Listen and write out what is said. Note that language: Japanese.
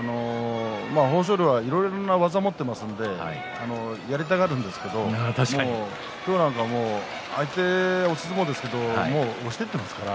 豊昇龍はいろんな技を持っていますのでやりたがるんですけど今日なんかも相手は押し相撲ですけど押していっていますから。